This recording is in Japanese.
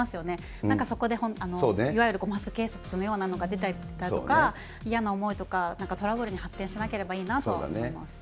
なんかそこでいわゆるマスク警察のようなのが出たりとか、嫌な思いとか、なんかトラブルに発展しなければいいなとは思います。